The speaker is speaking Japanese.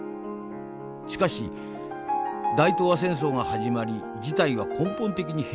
しかし大東亜戦争が始まり事態は根本的に変化した。